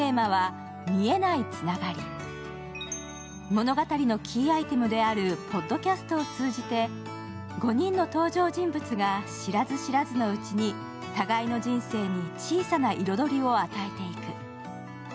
物語のキーアイテムであるポッドキャストを通じて５人の登場人物が、知らず知らずのうちに互いの人生に小さな彩りを与えていく。